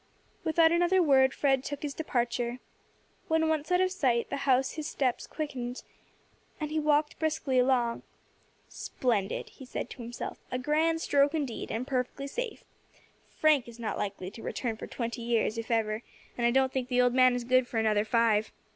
Without another word Fred took his departure. When once out of sight of the house his steps quickened, and he walked briskly along. "Splendid!" he said to himself; "a grand stroke indeed, and perfectly safe. Frank is not likely to return for twenty years, if ever, and I don't think the old man is good for another five.